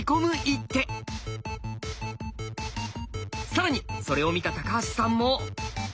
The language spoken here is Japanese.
更にそれを見た橋さんも。